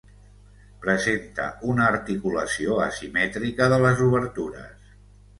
Presenta una articulació asimètrica de les obertures.